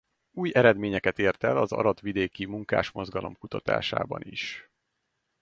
Új eredményeket ért el az Arad vidéki munkásmozgalom kutatásában is.